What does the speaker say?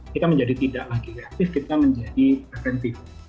kita menjadi tidak lagi reaktif kita menjadi preventif